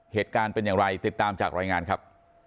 เหตุการณ์เป็นอย่างไรติดตามจากรายงานครับ